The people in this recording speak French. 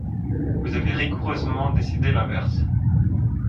Vous avez rigoureusement décidé l’inverse.